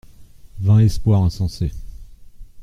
Vain espoir, insensé.